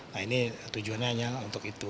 nah ini tujuannya hanya untuk itu